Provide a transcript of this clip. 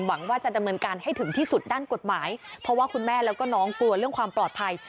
หวังว่าจะดำเนินการให้ถึงที่สุดด้านกฎหมายเพราะว่าคุณแม่แล้วก็น้องกลัวเรื่องความปลอดภัย